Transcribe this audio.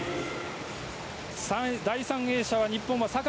第３泳者は日本は酒井。